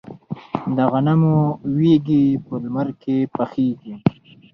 د غنمو وږي په لمر کې پخیږي.